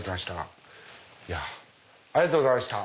いやありがとうございました。